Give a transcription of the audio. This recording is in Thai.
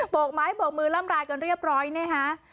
กไม้โบกมือล่ำรายกันเรียบร้อยนะฮะ